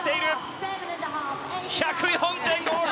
１０４．５５！